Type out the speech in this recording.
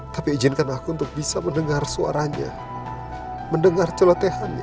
tapi izinkan aku untuk bisa mendengar suaranya mendengar celotehannya